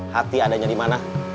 hati adanya di mana